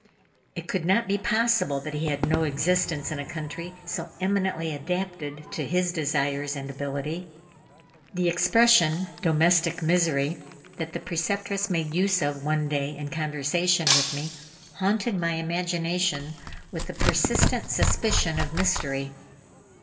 It could not be possible that he had no existence in a country so eminently adapted to his desires and ability. The expression, "domestic misery," that the Preceptress made use of one day in conversation with me, haunted my imagination with a persistent suspicion of mystery.